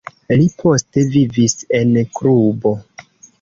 Li poste vivis en Kubo.